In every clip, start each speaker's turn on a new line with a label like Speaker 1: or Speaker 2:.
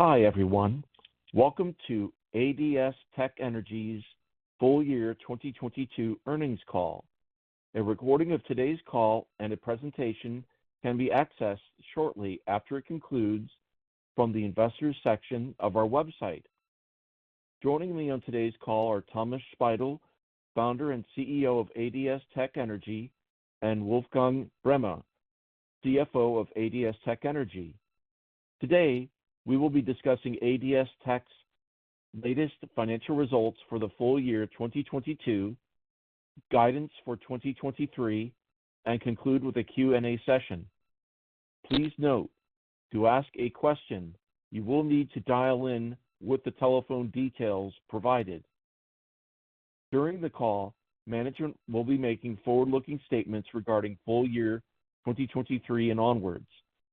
Speaker 1: Hi, everyone. Welcome to ADS-TEC Energy's full year 2022 earnings call. A recording of today's call and a presentation can be accessed shortly after it concludes from the investors section of our website. Joining me on today's call are Thomas Speidel, Founder and CEO of ADS-TEC Energy, and Wolfgang Breme, CFO of ADS-TEC Energy. Today, we will be discussing ADS-TEC's latest financial results for the full year 2022, guidance for 2023, and conclude with a Q&A session. Please note, to ask a question, you will need to dial in with the telephone details provided. During the call, management will be making forward-looking statements regarding full year 2023 and onwards,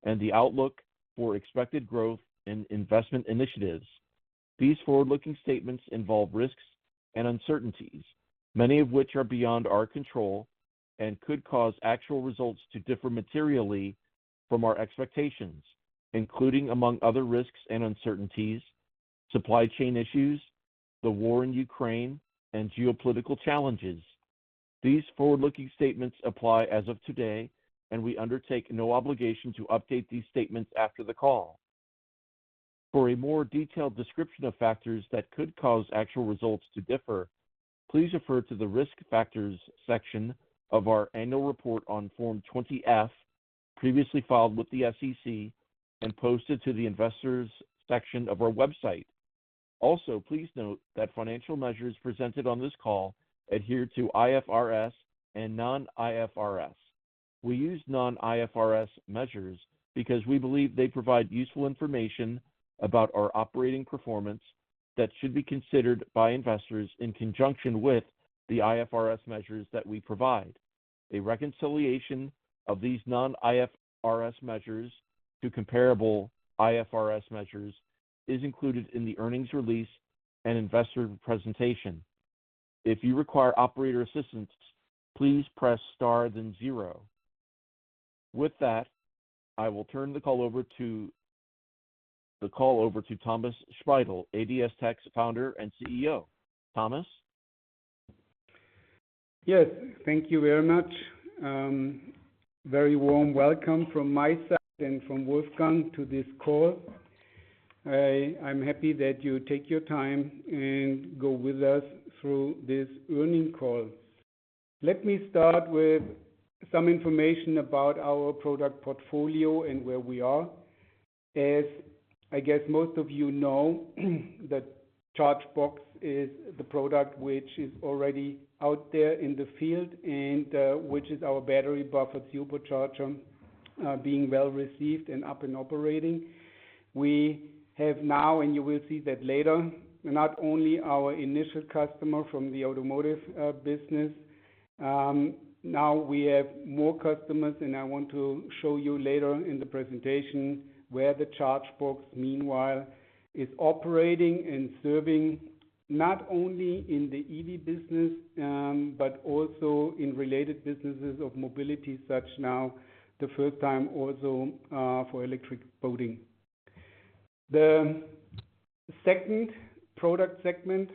Speaker 1: and the outlook for expected growth and investment initiatives. These forward-looking statements involve risks and uncertainties, many of which are beyond our control and could cause actual results to differ materially from our expectations, including among other risks and uncertainties, supply chain issues, the war in Ukraine, and geopolitical challenges. These forward-looking statements apply as of today, and we undertake no obligation to update these statements after the call. For a more detailed description of factors that could cause actual results to differ, please refer to the Risk Factors section of our annual report on Form 20-F, previously filed with the SEC and posted to the investors section of our website. Please note that financial measures presented on this call adhere to IFRS and non-IFRS. We use non-IFRS measures because we believe they provide useful information about our operating performance that should be considered by investors in conjunction with the IFRS measures that we provide. A reconciliation of these non-IFRS measures to comparable IFRS measures is included in the earnings release and investor presentation. If you require operator assistance, please press Star than zero. With that, I will turn the call over to Thomas Speidel, ADS-TEC's founder and CEO. Thomas.
Speaker 2: Yes. Thank you very much. Very warm welcome from my side and from Wolfgang to this call. I'm happy that you take your time and go with us through this earning call. Let me start with some information about our product portfolio and where we are. As I guess most of you know, the ChargeBox is the product which is already out there in the field and which is our battery buffered supercharger, being well-received and up and operating. We have now, and you will see that later, not only our initial customer from the automotive business, now we have more customers, and I want to show you later in the presentation where the ChargeBox meanwhile is operating and serving not only in the EV business, but also in related businesses of mobility, such now the first time also for electric boating. The second product segment,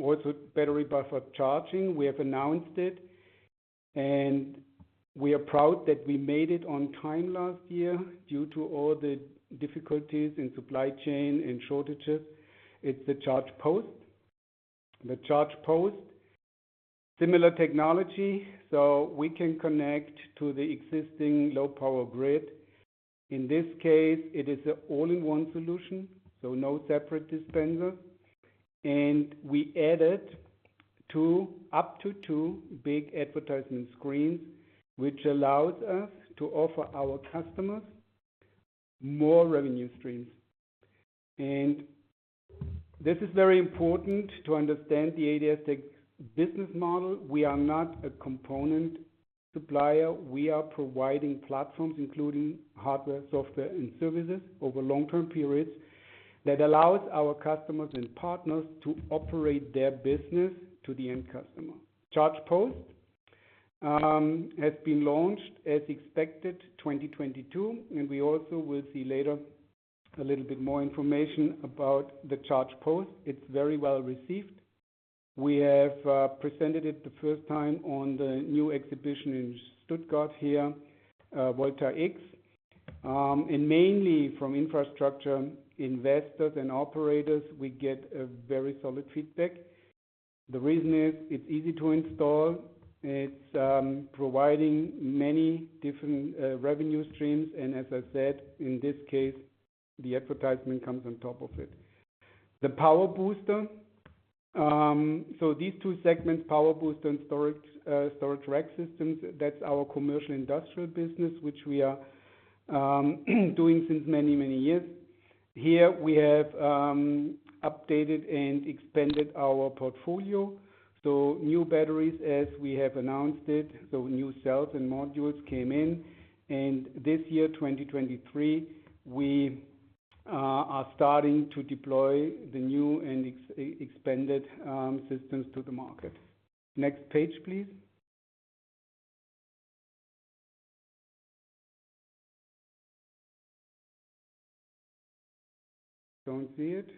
Speaker 2: also battery buffered charging. We have announced it. We are proud that we made it on time last year due to all the difficulties in supply chain and shortages. It's the ChargePost. The ChargePost, similar technology, so we can connect to the existing low power grid. In this case, it is a all-in-one solution, so no separate dispenser. We added up to two big advertisement screens, which allows us to offer our customers more revenue streams. This is very important to understand the ADS-TEC business model. We are not a component supplier. We are providing platforms, including hardware, software, and services over long-term periods that allows our customers and partners to operate their business to the end customer. ChargePost has been launched as expected, 2022, and we also will see later a little bit more information about the ChargePost. It's very well-received. We have presented it the first time on the new exhibition in Stuttgart here, Volta-X. Mainly from infrastructure investors and operators, we get a very solid feedback. The reason is, it's easy to install, it's providing many different revenue streams, and as I said, in this case, the advertisement comes on top of it. The PowerBooster. So these two segments, PowerBooster and storage rack systems, that's our commercial industrial business, which we are doing since many, many years. Here we have updated and expanded our portfolio. So new batteries as we have announced it, so new cells and modules came in. This year, 2023, we are starting to deploy the new and expanded systems to the market. Next page, please. Don't see it.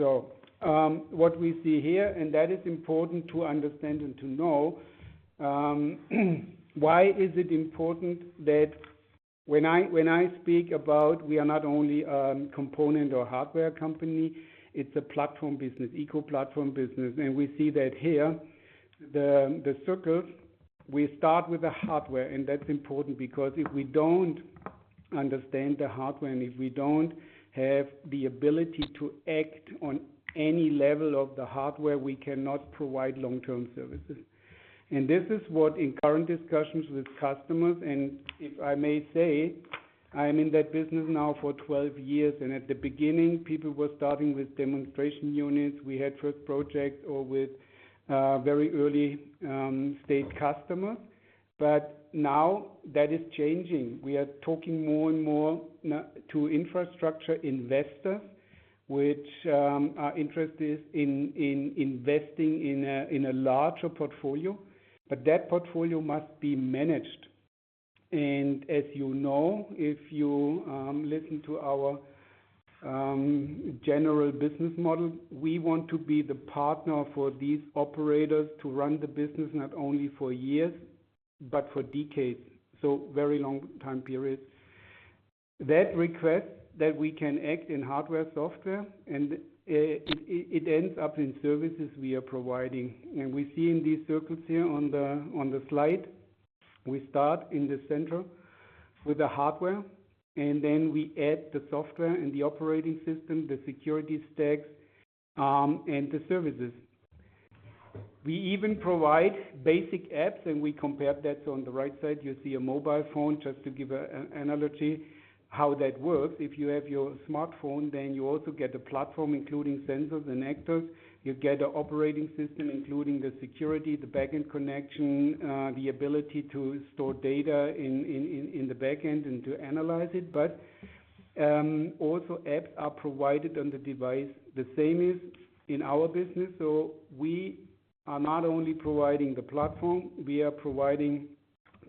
Speaker 3: It's not.
Speaker 2: What we see here, and that is important to understand and to know, why is it important that when I speak about we are not only a component or hardware company, it's a platform business, eco-platform business. We see that here, the circles, we start with the hardware. That's important because if we don't understand the hardware, and if we don't have the ability to act on any level of the hardware, we cannot provide long-term services. This is what, in current discussions with customers, and if I may say, I am in that business now for 12 years, and at the beginning, people were starting with demonstration units. We had first projects or with very early state customers. Now that is changing. We are talking more and more to infrastructure investors, which are interested in investing in a larger portfolio. That portfolio must be managed. As you know, if you listen to our general business model, we want to be the partner for these operators to run the business not only for years but for decades, so very long time periods. That requests that we can act in hardware, software, and it ends up in services we are providing. We see in these circles here on the slide, we start in the center with the hardware, and then we add the software and the operating system, the security stacks, and the services. We even provide basic apps, and we compare that. On the right side, you see a mobile phone, just to give an analogy how that works. If you have your smartphone, you also get a platform, including sensors and actors. You get an operating system, including the security, the backend connection, the ability to store data in the backend and to analyze it. Also apps are provided on the device. The same is in our business, we are not only providing the platform, we are providing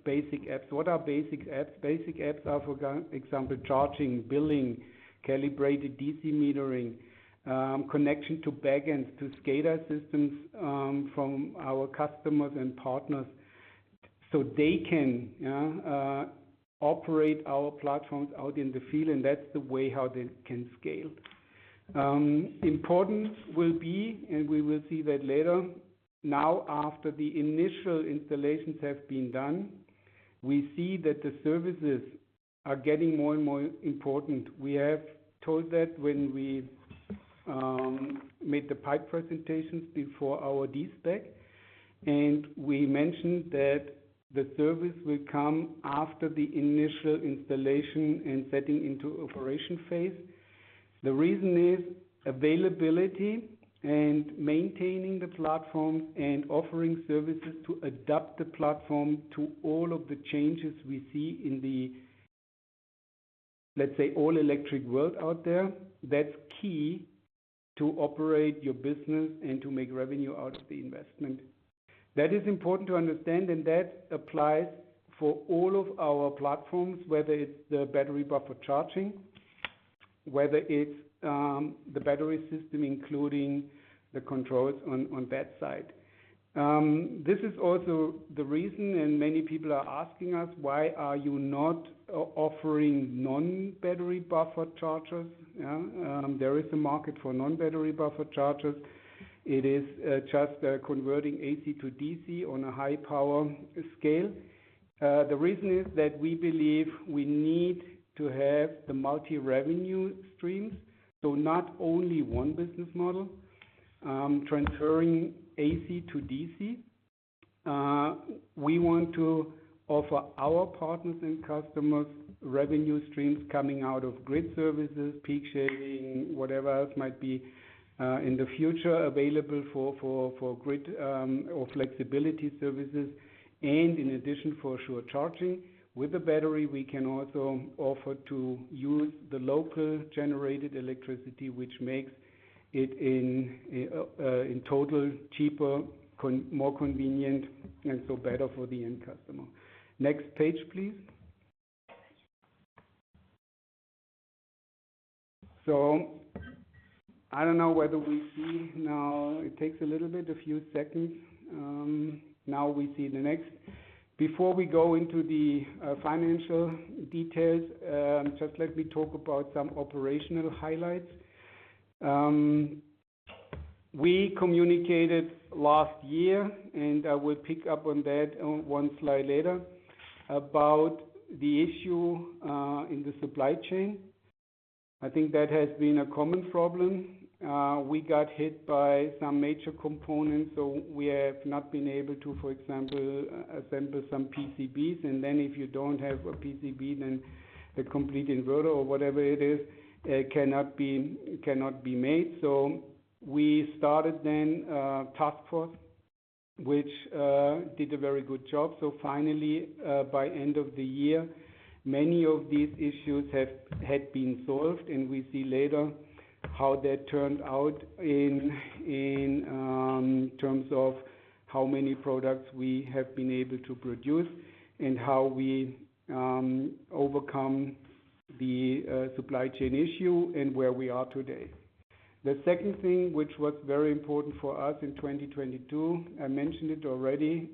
Speaker 2: basic apps. What are basic apps? Basic apps are, for example, charging, billing, calibrated DC metering, connection to backends, to SCADA systems, from our customers and partners, they can operate our platforms out in the field, that's the way how they can scale. Important will be, and we will see that later, now after the initial installations have been done, we see that the services are getting more and more important. We have told that when we made the PIPE presentations before our de-SPAC, and we mentioned that the service will come after the initial installation and setting into operation phase. The reason is availability and maintaining the platform and offering services to adapt the platform to all of the changes we see in the, let's say, all-electric world out there. That's key to operate your business and to make revenue out of the investment. That is important to understand, and that applies for all of our platforms, whether it's the battery buffer charging, whether it's the battery system, including the controls on that side. This is also the reason, many people are asking us, "Why are you not offering non-battery buffer chargers?" Yeah. There is a market for non-battery buffer chargers. It is just converting AC to DC on a high-power scale. The reason is that we believe we need to have the multi-revenue streams, so not only one business model, transferring AC to DC. We want to offer our partners and customers revenue streams coming out of grid services, peak shaving, whatever else might be in the future available for grid or flexibility services, in addition, for sure, charging. With the battery, we can also offer to use the local generated electricity, which makes it in total cheaper, more convenient, better for the end customer. Next page, please. I don't know whether we see now. It takes a little bit, a few seconds. Now we see the next. Before we go into the financial details, just let me talk about some operational highlights. We communicated last year, and I will pick up on that, one slide later, about the issue in the supply chain. I think that has been a common problem. We got hit by some major components. We have not been able to, for example, assemble some PCBs. If you don't have a PCB, then the complete inverter or whatever it is, cannot be made. We started then a task force, which did a very good job. Finally, by end of the year, many of these issues had been solved. We see later how that turned out in terms of how many products we have been able to produce and how we overcome the supply chain issue and where we are today. The second thing, which was very important for us in 2022, I mentioned it already,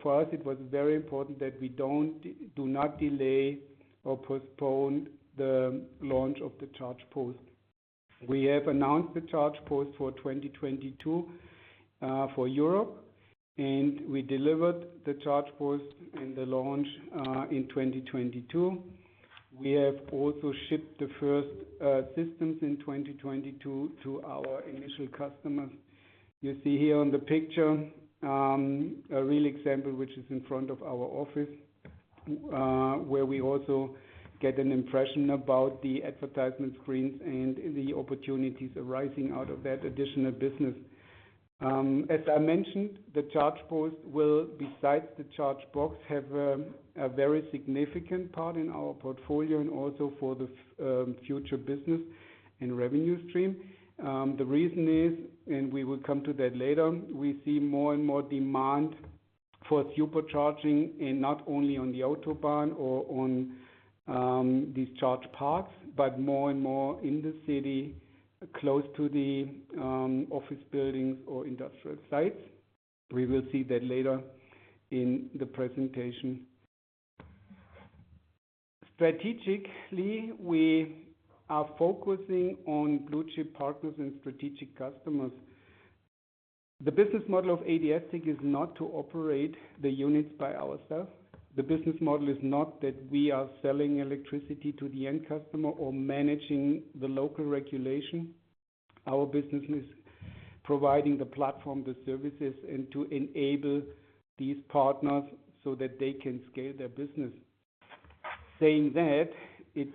Speaker 2: for us it was very important that we do not delay or postpone the launch of the ChargePost. We have announced the ChargePost for 2022 for Europe. We delivered the ChargePost and the launch in 2022. We have also shipped the first systems in 2022 to our initial customers. You see here on the picture, a real example, which is in front of our office, where we also get an impression about the advertisement screens and the opportunities arising out of that additional business. As I mentioned, the ChargePost will, besides the ChargeBox, have a very significant part in our portfolio and also for the future business and revenue stream. The reason is, and we will come to that later, we see more and more demand for supercharging and not only on the Autobahn or on these charge parks, but more and more in the city, close to the office buildings or industrial sites. We will see that later in the presentation. Strategically, we are focusing on blue-chip partners and strategic customers. The business model of ADS-TEC is not to operate the units by ourself. The business model is not that we are selling electricity to the end customer or managing the local regulation. Our business is providing the platform, the services, and to enable these partners so that they can scale their business. Saying that, it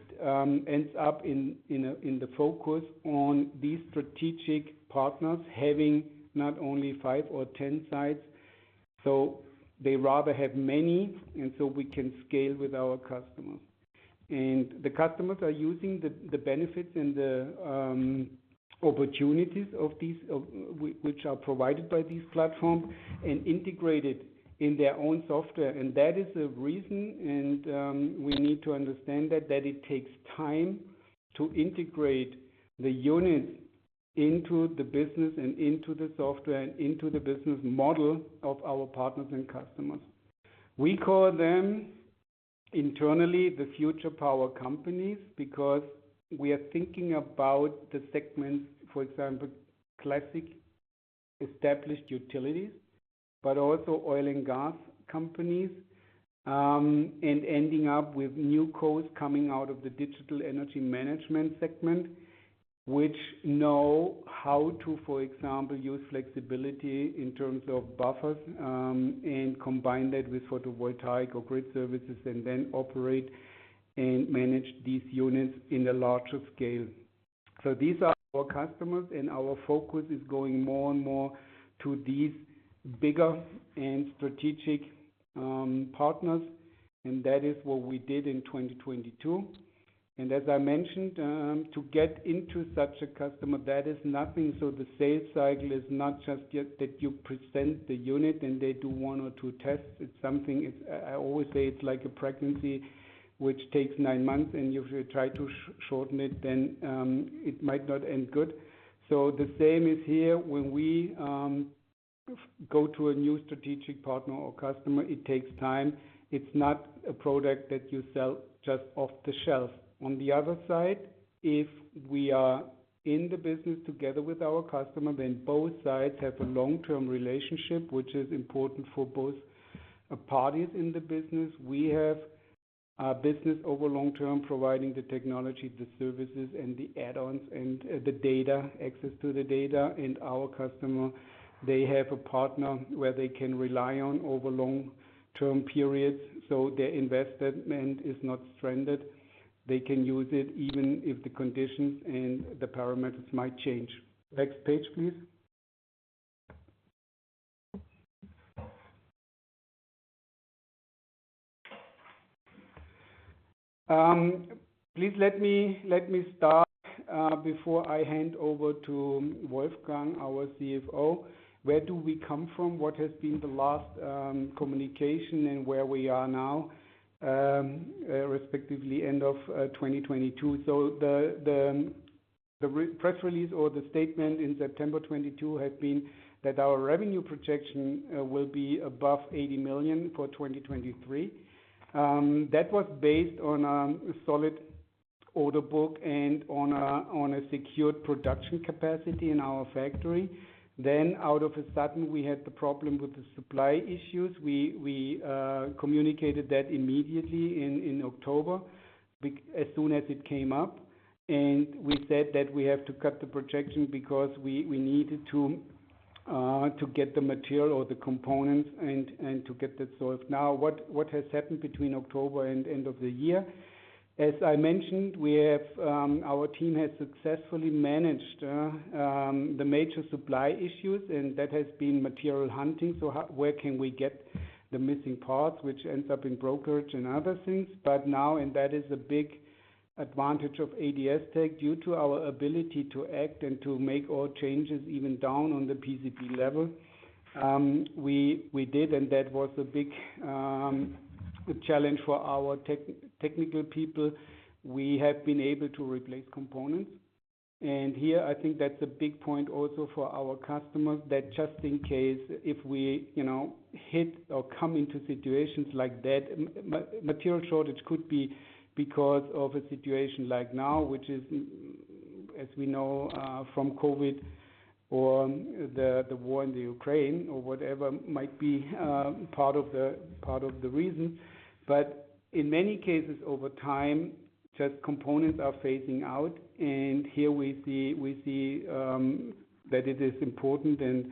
Speaker 2: ends up in a, in the focus on these strategic partners having not only five or ten sites, so they rather have many, so we can scale with our customers. The customers are using the benefits and the opportunities of these which are provided by these platforms and integrate it in their own software. That is the reason, and we need to understand that it takes time to integrate the units into the business and into the software and into the business model of our partners and customers. We call them internally the future power companies because we are thinking about the segments, for example, classic established utilities, but also oil and gas companies, and ending up with new codes coming out of the digital energy management segment, which know how to, for example, use flexibility in terms of buffers, and combine that with photovoltaic or grid services, and then operate and manage these units in a larger scale. These are our customers, and our focus is going more and more to these bigger and strategic partners, and that is what we did in 2022. As I mentioned, to get into such a customer, that is nothing. The sales cycle is not just yet that you present the unit and they do one or two tests. It's something, I always say it's like a pregnancy, which takes nine months, and if you try to shorten it, then it might not end good. The same is here. When we go to a new strategic partner or customer, it takes time. It's not a product that you sell just off the shelf. On the other side, if we are in the business together with our customer, then both sides have a long-term relationship, which is important for both parties in the business. We have a business over long term providing the technology, the services, and the add-ons and the data, access to the data. Our customer, they have a partner where they can rely on over long-term periods, so their investment is not stranded. They can use it even if the conditions and the parameters might change. Next page, please. Please let me start before I hand over to Wolfgang, our CFO. Where do we come from? What has been the last communication and where we are now, respectively end of 2022. The press release or the statement in September 2022 had been that our revenue projection will be above 80 million for 2023. That was based on a solid order book and on a secured production capacity in our factory. Out of a sudden, we had the problem with the supply issues. We communicated that immediately in October as soon as it came up. We said that we have to cut the projection because we needed to get the material or the components and to get that solved. What has happened between October and end of the year? As I mentioned, our team has successfully managed the major supply issues, and that has been material hunting. Where can we get the missing parts, which ends up in brokerage and other things. That is a big Advantage of ADS-TEC due to our ability to act and to make all changes even down on the PCB level. We did, and that was a big challenge for our technical people. We have been able to replace components. Here I think that's a big point also for our customers, that just in case if we, you know, hit or come into situations like that, material shortage could be because of a situation like now, which is, as we know, from COVID or the war in the Ukraine or whatever might be, part of the reason. In many cases over time, just components are phasing out. Here we see that it is important and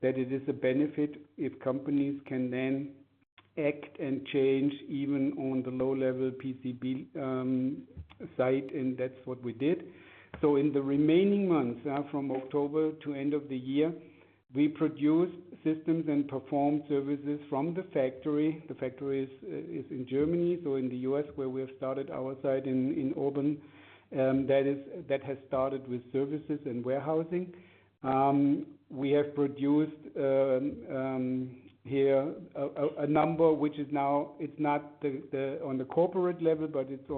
Speaker 2: that it is a benefit if companies can then act and change even on the low-level PCB site, and that's what we did. In the remaining months, from October to end of the year, we produced systems and performed services from the factory. The factory is in Germany. In the US, where we have started our site in Auburn, that has started with services and warehousing. We have produced here a number which is now, it's not on the corporate level, but it's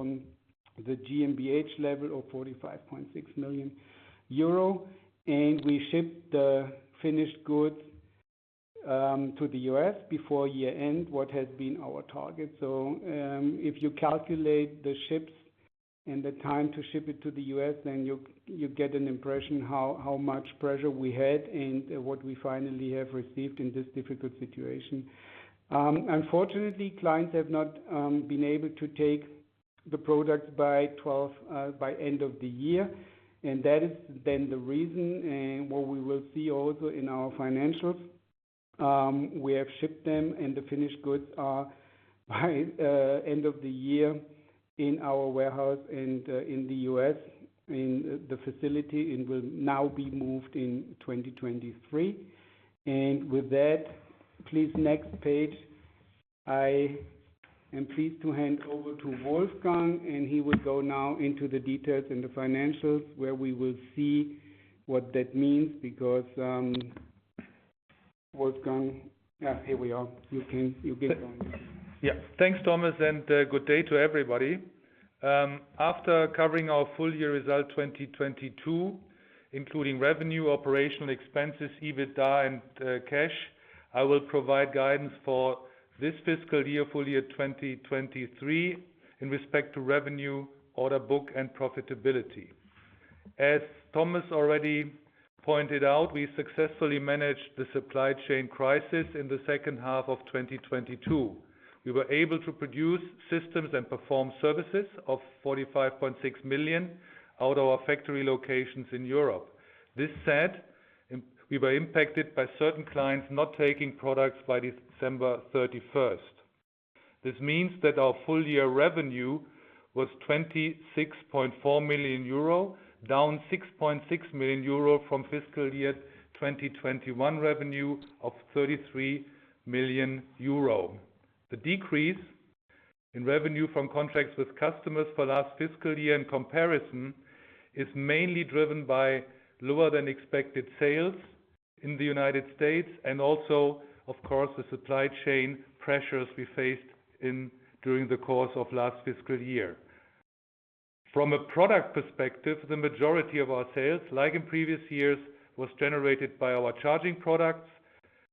Speaker 2: on the GmbH level of 45.6 million euro. We shipped the finished goods to the US before year-end, what has been our target. If you calculate the ships and the time to ship it to the US, then you get an impression how much pressure we had and what we finally have received in this difficult situation. Unfortunately, clients have not been able to take the products by 12 by end of the year, and that is then the reason and what we will see also in our financials. We have shipped them, and the finished goods are by end of the year in our warehouse and in the U.S., in the facility, and will now be moved in 2023. With that, please next page. I am pleased to hand over to Wolfgang, and he will go now into the details and the financials, where we will see what that means because Wolfgang. Here we are. You get going.
Speaker 4: Yeah. Thanks, Thomas, good day to everybody. After covering our full year result 2022, including revenue, operational expenses, EBITDA and cash, I will provide guidance for this fiscal year, full year 2023 in respect to revenue, order book and profitability. As Thomas already pointed out, we successfully managed the supply chain crisis in the second half of 2022. We were able to produce systems and perform services of 45.6 million out of our factory locations in Europe. This said, we were impacted by certain clients not taking products by December 31st. This means that our full year revenue was -26.4 million euro, down 6.6 million euro from fiscal year 2021 revenue of 33 million euro. The decrease in revenue from contracts with customers for last fiscal year in comparison is mainly driven by lower than expected sales in the United States and also, of course, the supply chain pressures we faced during the course of last fiscal year. From a product perspective, the majority of our sales, like in previous years, was generated by our charging products.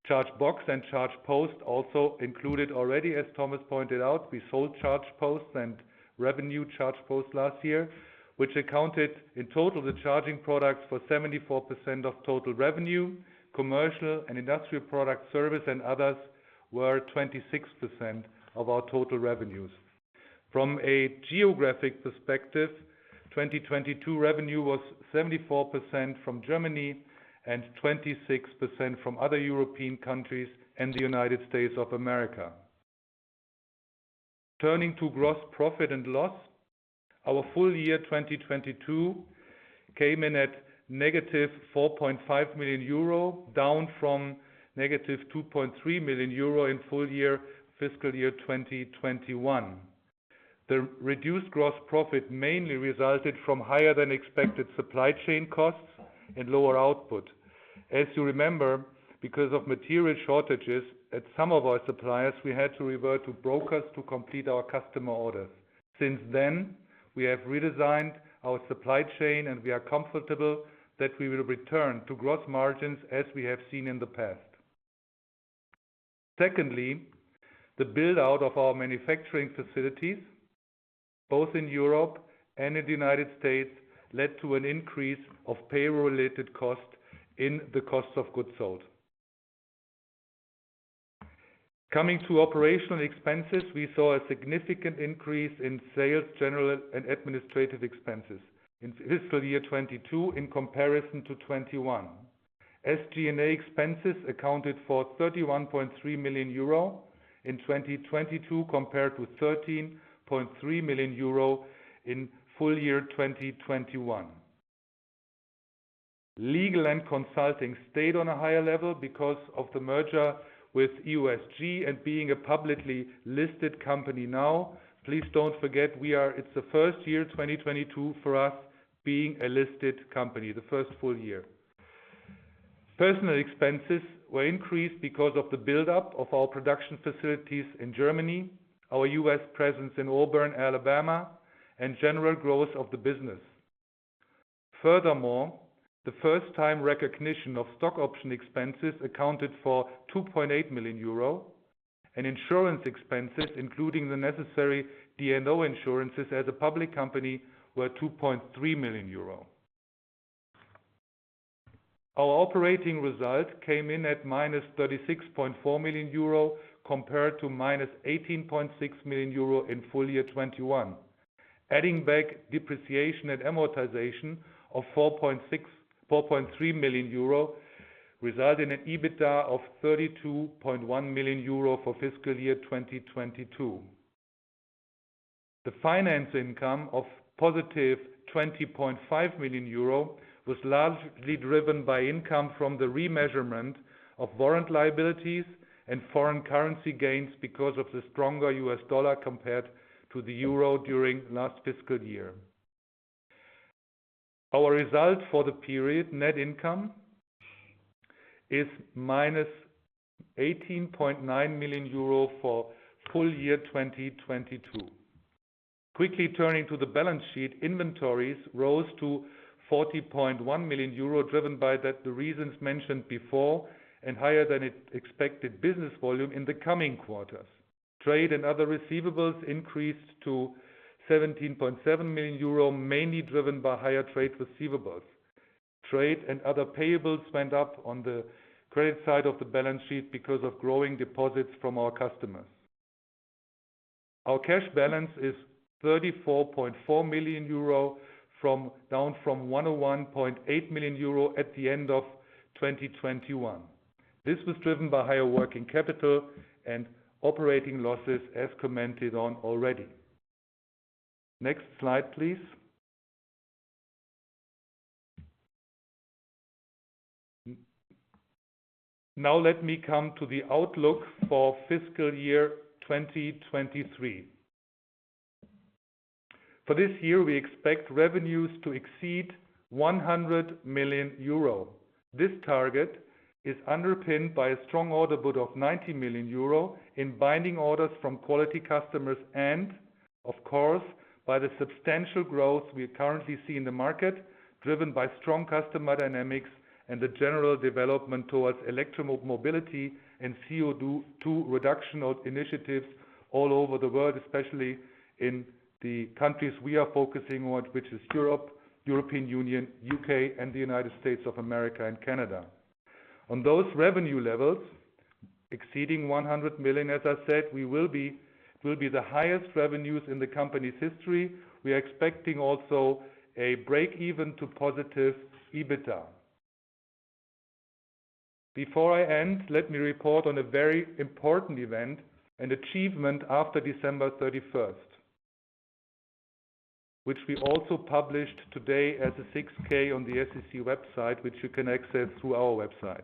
Speaker 4: ChargeBox and ChargePost also included already, as Thomas pointed out. We sold ChargePost and revenue ChargePost last year, which accounted in total the charging products for 74% of total revenue. Commercial and industrial product service and others were 26% of our total revenues. From a geographic perspective, 2022 revenue was 74% from Germany and 26% from other European countries and the United States of America. Turning to gross profit and loss, our full year 2022 came in at -4.5 million euro, down from -2.3 million euro in full year fiscal year 2021. The reduced gross profit mainly resulted from higher than expected supply chain costs and lower output. As you remember, because of material shortages at some of our suppliers, we had to revert to brokers to complete our customer orders. Since then, we have redesigned our supply chain, and we are comfortable that we will return to gross margins as we have seen in the past. Secondly, the build-out of our manufacturing facilities, both in Europe and in the United States, led to an increase of payroll-related costs in the cost of goods sold. Coming to operational expenses, we saw a significant increase in sales, general and administrative expenses in fiscal year 22 in comparison to 21. SG&A expenses accounted for 31.3 million euro in 2022 compared to 13.3 million euro in full year 2021. Legal and consulting stayed on a higher level because of the merger with EUSG and being a publicly listed company now. Please don't forget, It's the first year, 2022, for us being a listed company, the first full year. Personal expenses were increased because of the build-up of our production facilities in Germany, our US presence in Auburn, Alabama, and general growth of the business. The first-time recognition of stock option expenses accounted for 2.8 million euro, and insurance expenses, including the necessary D&O insurances as a public company, were 2.3 million euro. Our operating result came in at minus 36.4 million euro compared to minus 18.6 million euro in full year 2021. Adding back depreciation and amortization of 4.3 million euro result in an EBITDA of 32.1 million euro for fiscal year 2022. The finance income of positive 20.5 million euro was largely driven by income from the remeasurement of warrant liabilities and foreign currency gains because of the stronger US dollar compared to the euro during last fiscal year. Our result for the period net income is minus 18.9 million euro for full year 2022. Quickly turning to the balance sheet, inventories rose to 40.1 million euro, driven by that the reasons mentioned before and higher than expected business volume in the coming quarters. Trade and other receivables increased to 17.7 million euro, mainly driven by higher trade receivables. Trade and other payables went up on the credit side of the balance sheet because of growing deposits from our customers. Our cash balance is 34.4 million euro down from 101.8 million euro at the end of 2021. This was driven by higher working capital and operating losses, as commented on already. Next slide, please. Let me come to the outlook for fiscal year 2023. For this year, we expect revenues to exceed 100 million euro. This target is underpinned by a strong order book of 90 million euro in binding orders from quality customers and, of course, by the substantial growth we currently see in the market, driven by strong customer dynamics and the general development towards electro mobility and CO2 reduction initiatives all over the world, especially in the countries we are focusing on, which is Europe, European Union, UK, and the United States of America and Canada. On those revenue levels exceeding 100 million, as I said, we will be the highest revenues in the company's history. We are expecting also a break-even to positive EBITDA. Before I end, let me report on a very important event and achievement after December 31st, which we also published today as a Form 6-K on the SEC website, which you can access through our website.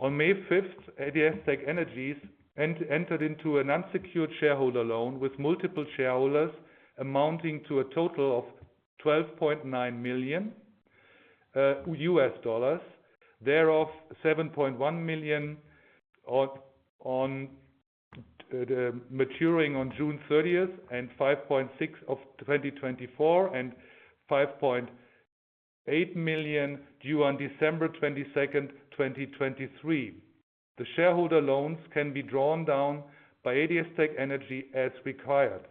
Speaker 4: On May 5th, ADS-TEC Energy entered into an unsecured shareholder loan with multiple shareholders amounting to a total of $12.9 million USD, thereof $7.1 million maturing on June 30th and $5.6 million of 2024 and $5.8 million due on December 22nd, 2023. The shareholder loans can be drawn down by ADS-TEC Energy as required.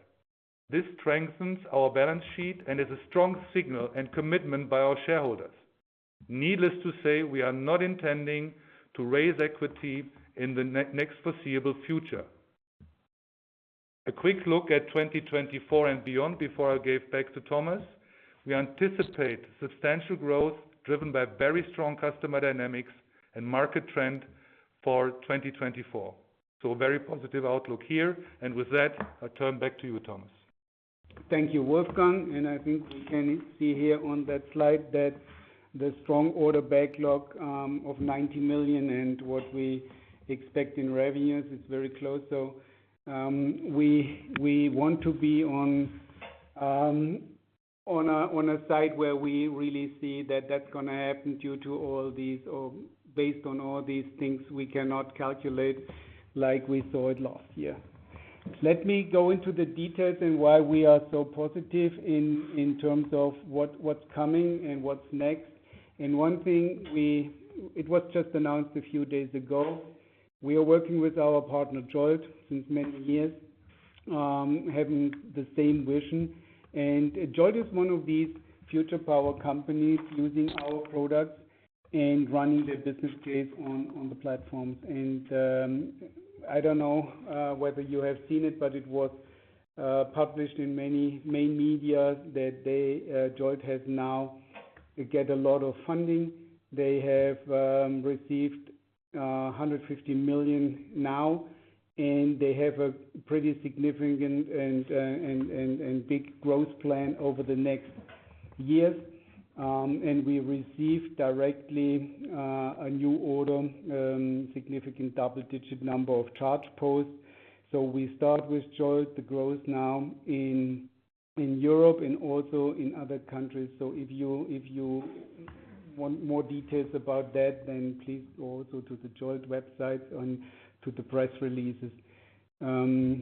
Speaker 4: This strengthens our balance sheet and is a strong signal and commitment by our shareholders. Needless to say, we are not intending to raise equity in the next foreseeable future. A quick look at 2024 and beyond before I give back to Thomas. We anticipate substantial growth driven by very strong customer dynamics and market trend for 2024. A very positive outlook here. With that, I turn back to you, Thomas.
Speaker 2: Thank you, Wolfgang. I think we can see here on that slide that the strong order backlog of 90 million and what we expect in revenues is very close. We, we want to be on a side where we really see that that's gonna happen due to all these or based on all these things we cannot calculate like we saw it last year. Let me go into the details and why we are so positive in terms of what's coming and what's next. One thing it was just announced a few days ago, we are working with our partner, JOLT, since many years, having the same vision. JOLT is one of these future power companies using our products and running their business case on the platforms. I don't know whether you have seen it, but it was published in many main medias that they, JOLT has now get a lot of funding. They have received 150 million now, and they have a pretty significant and big growth plan over the next years. We received directly a new order, significant double-digit number of ChargePosts. We start with JOLT, the growth now in Europe and also in other countries. If you want more details about that, then please go also to the JOLT website to the press releases.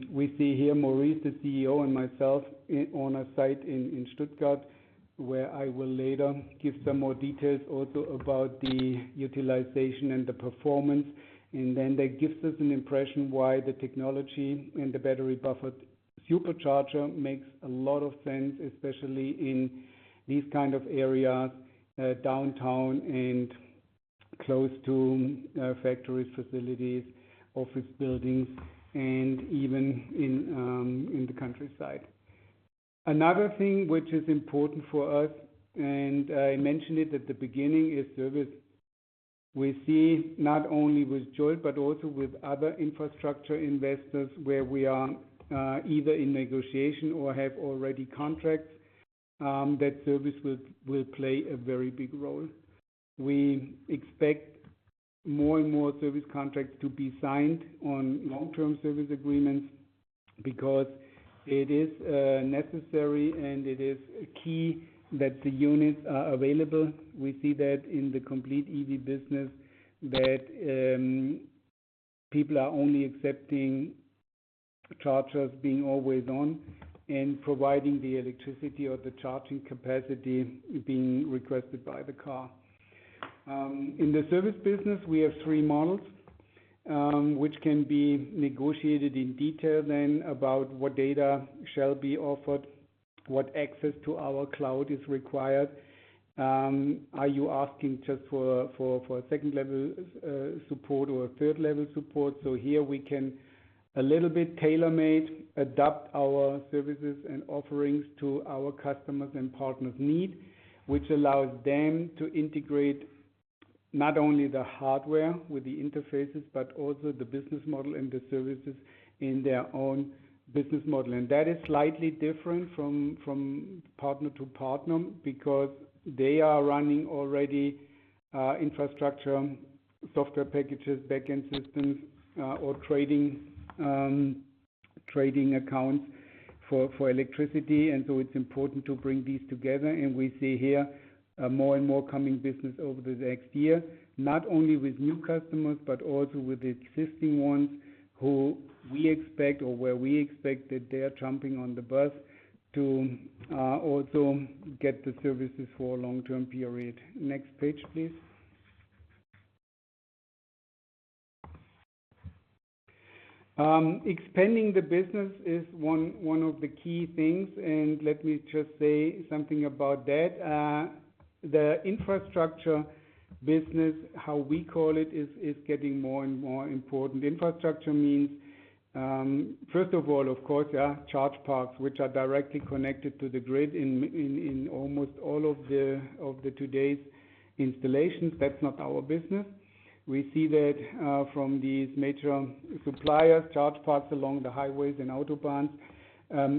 Speaker 2: We see here Maurice, the CEO, and myself on a site in Stuttgart, where I will later give some more details also about the utilization and the performance. That gives us an impression why the technology and the battery buffered supercharger makes a lot of sense, especially in these kind of areas, downtown and close to factory facilities, office buildings, and even in the countryside. Another thing which is important for us, and I mentioned it at the beginning, is service. We see not only with JOLT, but also with other infrastructure investors where we are either in negotiation or have already contracts that service will play a very big role. We expect more and more service contracts to be signed on long-term service agreements because it is necessary and it is key that the units are available. We see that in the complete EV business, that people are only accepting chargers being always on and providing the electricity or the charging capacity being requested by the car. In the service business, we have three models, which can be negotiated in detail then about what data shall be offered, what access to our cloud is required. Are you asking just for a second-level support or a third-level support? Here we can a little bit tailor-made, adapt our services and offerings to our customers' and partners' need, which allows them to integrate not only the hardware with the interfaces, but also the business model and the services in their own business model. That is slightly different from partner to partner because they are running already infrastructure, software packages, backend systems, or trading trading accounts for electricity. It's important to bring these together, and we see here more and more coming business over the next year, not only with new customers, but also with existing ones where we expect that they are jumping on the bus to also get the services for a long-term period. Next page, please. Expanding the business is one of the key things, and let me just say something about that. The infrastructure business, how we call it, is getting more and more important. Infrastructure means, first of all, of course, yeah, charge parks, which are directly connected to the grid in almost all of the today's installations. That's not our business. We see that from these major suppliers, charge parks along the highways and Autobahns.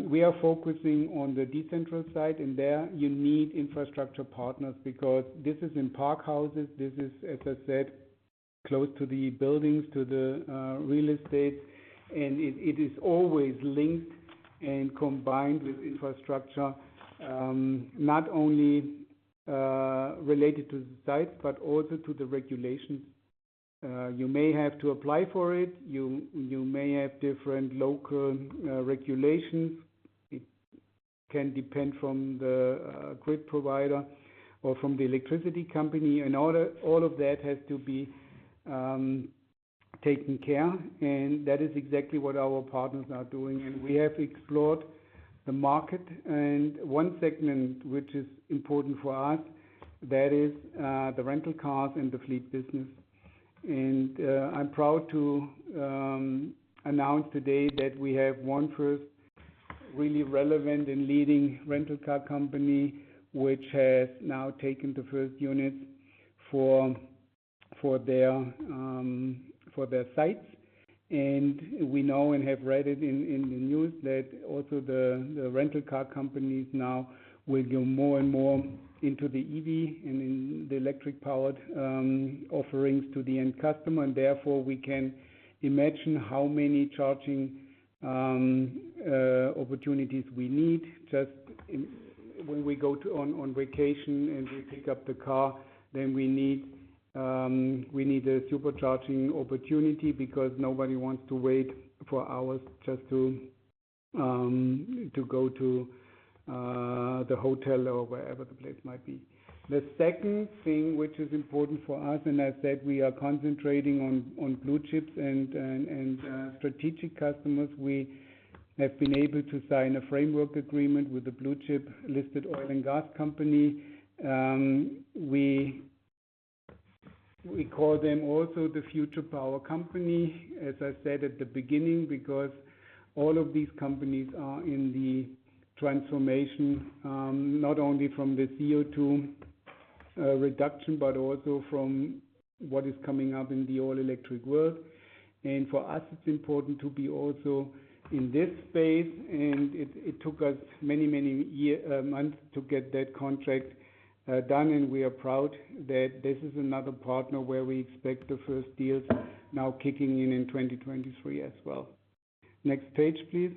Speaker 2: We are focusing on the decentral side, and there you need infrastructure partners because this is in park houses. This is, as I said, close to the buildings, to the real estate, and it is always linked and combined with infrastructure, not only related to the site, but also to the regulations. You may have to apply for it. You may have different local regulations. It can depend from the grid provider or from the electricity company. All of that has to be taken care, and that is exactly what our partners are doing. We have explored the market and one segment, which is important for us, that is the rental cars and the fleet business. I'm proud to announce today that we have one first really relevant and leading rental car company, which has now taken the first units for their sites. We know and have read it in the news that also the rental car companies now will go more and more into the EV and in the electric-powered offerings to the end customer. Therefore, we can imagine how many charging opportunities we need. Just when we go on vacation and we pick up the car, then we need a supercharging opportunity because nobody wants to wait for hours just to go to the hotel or wherever the place might be. The second thing, which is important for us, I said we are concentrating on blue chips and strategic customers. We have been able to sign a framework agreement with a blue-chip-listed oil and gas company. We call them also the future power company, as I said at the beginning, because all of these companies are in the transformation, not only from the CO2 reduction, but also from what is coming up in the all-electric world. For us, it's important to be also in this space, it took us many months to get that contract done, and we are proud that this is another partner where we expect the first deals now kicking in in 2023 as well. Next page, please.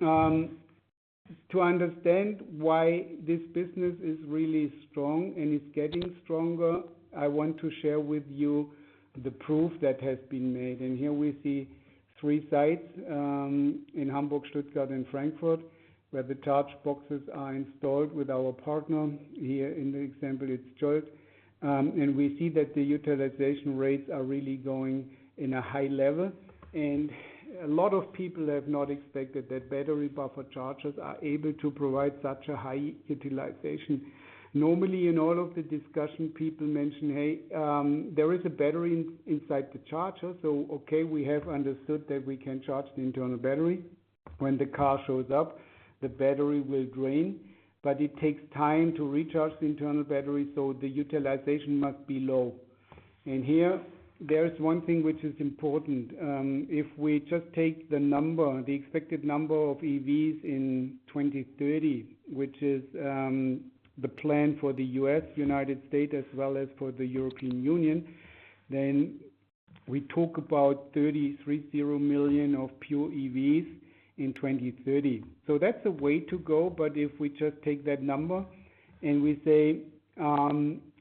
Speaker 2: To understand why this business is really strong and it's getting stronger, I want to share with you the proof that has been made. Here we see three sites in Hamburg, Stuttgart, and Frankfurt, where the ChargeBoxes are installed with our partner. Here in the example it's JOLT. We see that the utilization rates are really going in a high level. A lot of people have not expected that battery buffer chargers are able to provide such a high utilization. Normally, in all of the discussion, people mention, "Hey, there is a battery inside the charger." Okay, we have understood that we can charge the internal battery. When the car shows up, the battery will drain, but it takes time to recharge the internal battery, so the utilization must be low. Here, there is one thing which is important. If we just take the number, the expected number of EVs in 2030, which is the plan for the U.S., United States, as well as for the European Union, then we talk about 330 million of pure EVs in 2030. That's the way to go, but if we just take that number and we say,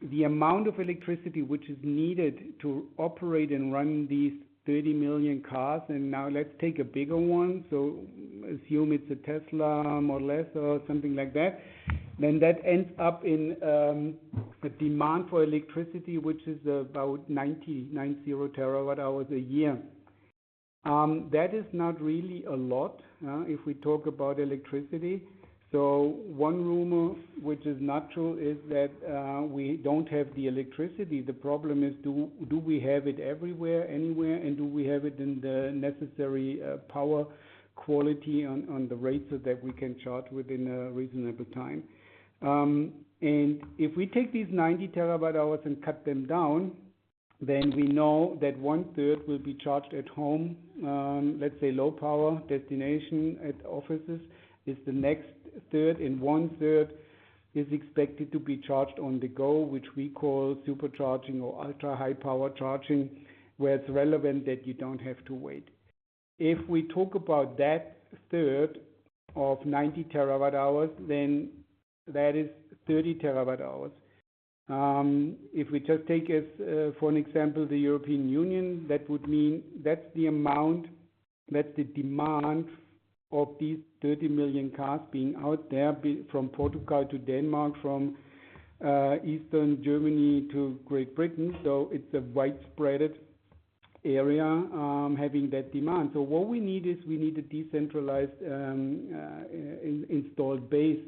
Speaker 2: the amount of electricity which is needed to operate and run these 30 million cars, and now let's take a bigger one, assume it's a Tesla, more or less, or something like that, then that ends up in a demand for electricity, which is about 90 TWh a year. That is not really a lot, huh, if we talk about electricity. One rumor, which is not true, is that we don't have the electricity. The problem is do we have it everywhere, anywhere, and do we have it in the necessary power quality on the rates so that we can charge within a reasonable time? If we take these 90 terawatt-hours and cut them down, we know that one-third will be charged at home. Let's say low power destination at offices is the next one-third, and one-third is expected to be charged on the go, which we call supercharging or ultra-high power charging, where it's relevant that you don't have to wait. If we talk about that one-third of 90 terawatt-hours, that is 30 terawatt-hours. If we just take as an example the European Union, that would mean that's the amount that the demand of these 30 million cars being out there be from Portugal to Denmark, from eastern Germany to Great Britain. It's a widespread area, having that demand. What we need is we need a decentralized, in-installed base.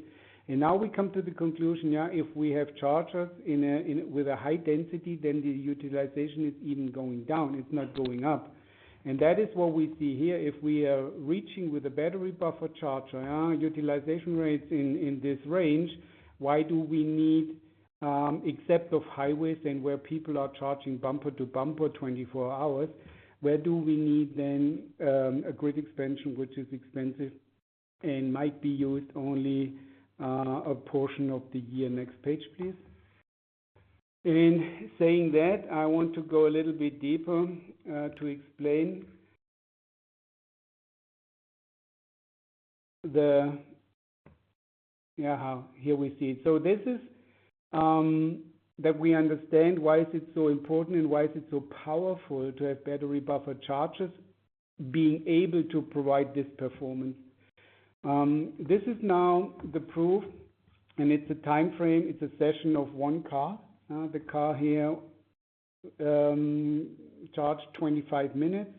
Speaker 2: Now we come to the conclusion, if we have chargers with a high density, then the utilization is even going down. It's not going up. That is what we see here. If we are reaching with a battery buffer charger, utilization rates in this range, why do we need, except of highways and where people are charging bumper-to-bumper 24 hours, where do we need then a grid expansion which is expensive and might be used only a portion of the year? Next page, please. Saying that, I want to go a little bit deeper to explain, here we see it. This is that we understand why is it so important and why is it so powerful to have battery buffer chargers being able to provide this performance. This is now the proof. It's a timeframe. It's a session of one car. The car here charged 25 minutes.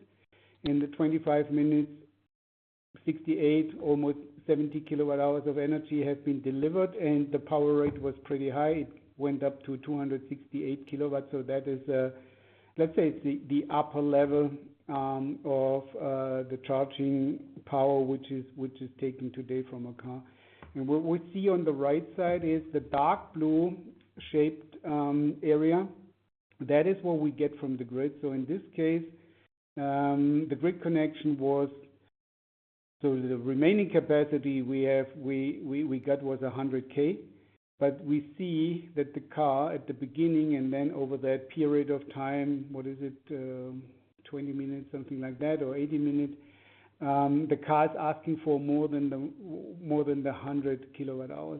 Speaker 2: In the 25 minutes, 68, almost 70 kWh of energy has been delivered. The power rate was pretty high. It went up to 268 kW. That is, let's say it's the upper level of the charging power, which is taken today from a car. What we see on the right side is the dark blue shaped area. That is what we get from the grid. In this case, the remaining capacity we have, we got was 100 K. We see that the car at the beginning and then over that period of time, what is it? 20 minutes, something like that, or 80 minutes, the car's asking for more than the more than the 100 kilowatt hours.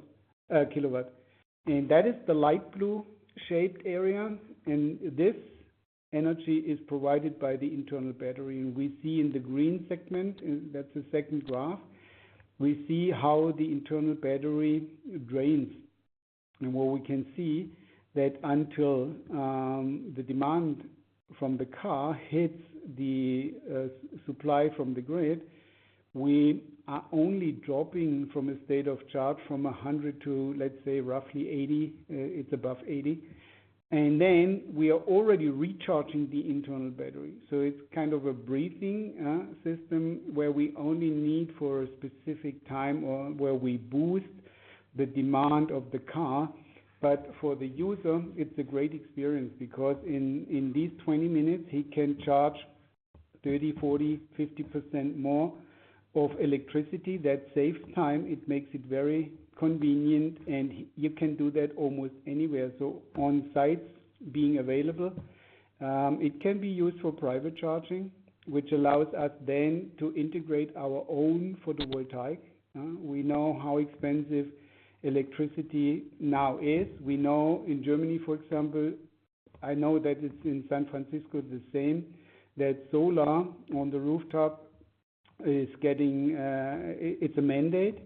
Speaker 2: That is the light blue shaped area. This energy is provided by the internal battery. We see in the green segment, and that's the second graph, we see how the internal battery drains. What we can see, that until the demand from the car hits the supply from the grid, we are only dropping from a State of Charge from 100 to, let's say, roughly 80, it's above 80. We are already recharging the internal battery. It's kind of a breathing system, where we only need for a specific time or where we boost the demand of the car. For the user, it's a great experience because in these 20 minutes, he can charge 30%, 40%, 50% more of electricity. That saves time, it makes it very convenient, and you can do that almost anywhere. On sites being available, it can be used for private charging, which allows us then to integrate our own photovoltaic. We know how expensive electricity now is. We know in Germany, for example, I know that it's in San Francisco the same, that solar on the rooftop is getting. It's a mandate.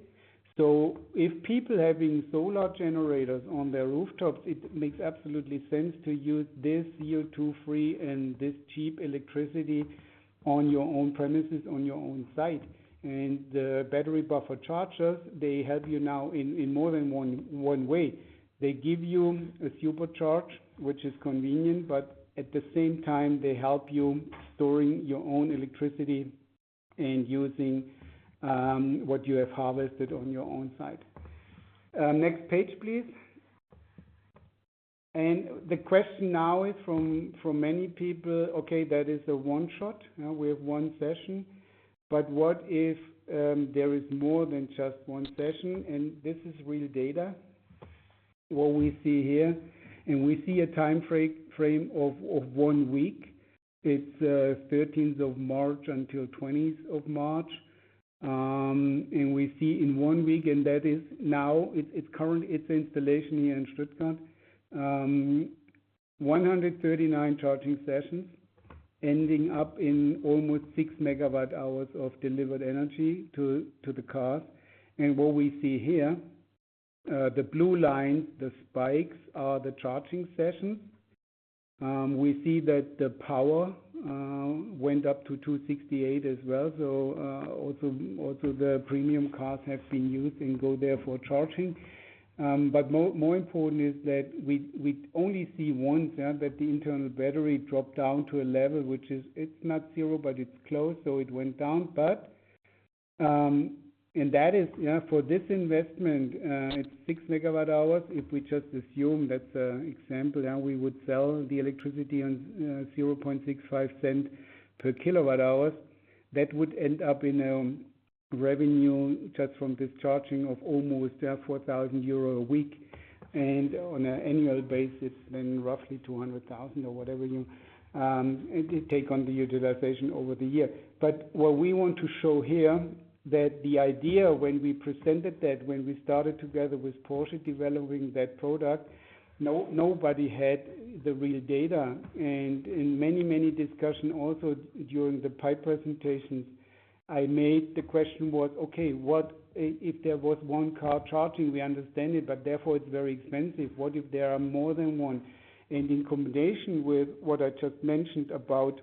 Speaker 2: If people are having solar generators on their rooftops, it makes absolutely sense to use this CO2 free and this cheap electricity on your own premises, on your own site. The battery buffer chargers, they help you now in more than one way. They give you a supercharge, which is convenient, but at the same time, they help you storing your own electricity and using what you have harvested on your own site. Next page, please. The question now is from many people, okay, that is a one-shot. We have one session. What if there is more than just one session? This is real data, what we see here. We see a time frame of one week. It's 13th of March until 20th of March. We see in one week, and that is now. It's current. It's installation here in Stuttgart. 139 charging sessions ending up in almost 6 megawatt-hours of delivered energy to the cars. What we see here, the blue line, the spikes are the charging sessions. We see that the power went up to 268 as well. Also the premium cars have been used and go there for charging. More important is that we only see one term that the internal battery dropped down to a level which is, it's not zero, but it's close. It went down. That is for this investment, it's 6 megawatt-hours. If we just assume that's an example, we would sell the electricity on 0.0065 per kilowatt-hours. That would end up in revenue just from this charging of almost 4,000 euro a week. On an annual basis, roughly 200,000 or whatever you take on the utilization over the year. What we want to show here that the idea when we presented that, when we started together with Porsche developing that product, nobody had the real data. In many, many discussion, also during the PIPE presentations I made, the question was, okay, If there was one car charging, we understand it, but therefore it's very expensive. What if there are more than one? In combination with what I just mentioned about,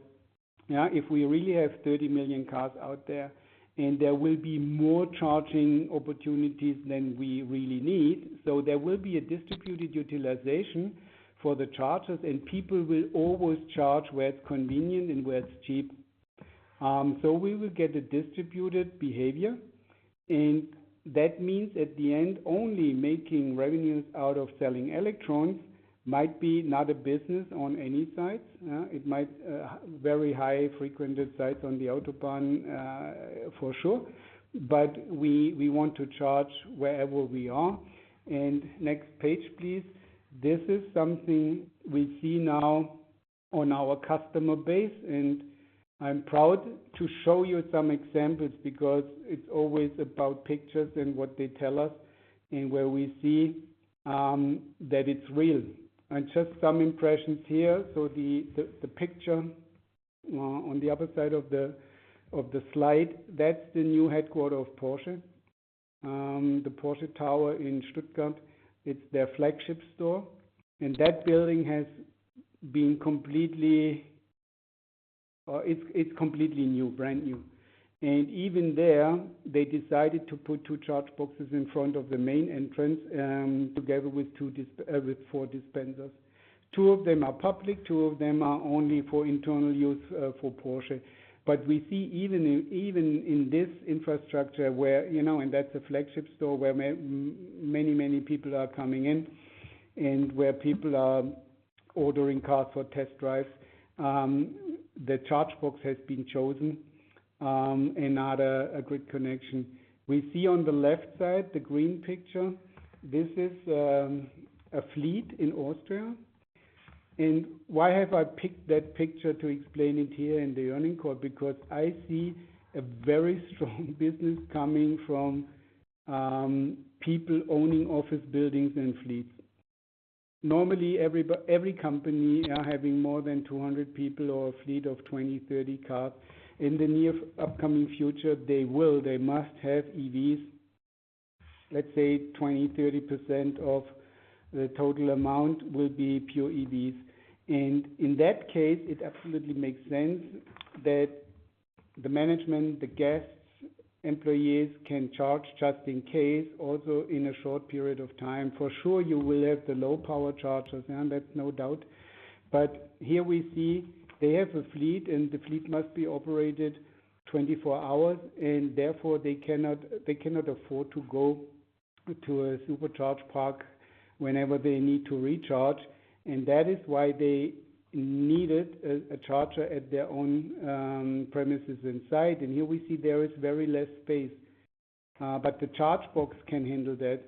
Speaker 2: yeah, if we really have 30 million cars out there, and there will be more charging opportunities than we really need. There will be a distributed utilization for the chargers, and people will always charge where it's convenient and where it's cheap. We will get a distributed behavior, and that means at the end, only making revenues out of selling electrons might be not a business on any site. It might very high frequented sites on the autobahn for sure. We want to charge wherever we are. Next page, please. This is something we see now on our customer base, and I'm proud to show you some examples because it's always about pictures and what they tell us and where we see that it's real. Just some impressions here. The picture on the upper side of the slide, that's the new headquarter of Porsche, the Porsche Tower in Stuttgart. It's their flagship store. That building has been completely new, brand new. Even there, they decided to put two ChargeBoxes in front of the main entrance, together with two with four dispensers. Two of them are public, two of them are only for internal use for Porsche. We see even in, even in this infrastructure where, you know, and that's a flagship store where many, many people are coming in, and where people are ordering cars for test drives, the ChargeBox has been chosen and not a good connection. We see on the left side, the green picture. This is a fleet in Austria. Why have I picked that picture to explain it here in the earnings call? I see a very strong business coming from people owning office buildings and fleets. Normally, every company are having more than 200 people or a fleet of 20, 30 cars. In the near upcoming future, they must have EVs. Let's say 20%, 30% of the total amount will be pure EVs. In that case, it absolutely makes sense that the management, the guests, employees can charge just in case, also in a short period of time. For sure, you will have the low-power chargers, and that's no doubt. Here we see they have a fleet, and the fleet must be operated 24 hours, and therefore, they cannot afford to go to a supercharge park whenever they need to recharge. That is why they needed a charger at their own premises inside. Here we see there is very less space, but the ChargeBox can handle that.